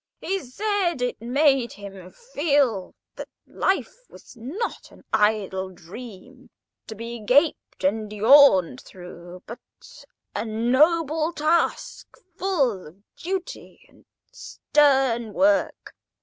He said it made him feel that life was not an idle dream to be gaped and yawned through, but a noble task, full of duty and stern work.